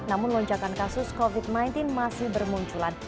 namun lonjakan kasus covid sembilan belas masih bermunculan